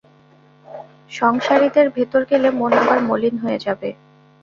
সংসারীদের ভেতর গেলে মন আবার মলিন হয়ে যাবে।